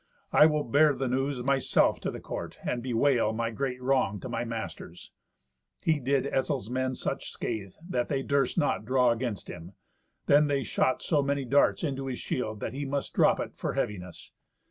I will bear the news myself to the court, and bewail my great wrong to my masters." He did Etzel's men such scathe, that they durst not draw against him. Then they shot so many darts into his shield that he must drop it for heaviness.